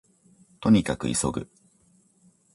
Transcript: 兎に角急ぐ